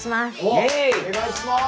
おっお願いします！